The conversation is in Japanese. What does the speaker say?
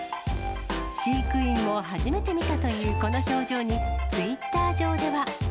飼育員も初めて見たというこの表情に、ツイッター上では。